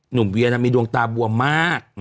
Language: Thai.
หนุ่มเวียร์นะมีดวงตาบวมมาก